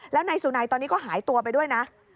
แล้วนายสุนัยตอนนี้ก็หายตัวไปด้วยนะ